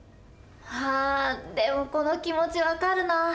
あでもこの気持ち分かるな。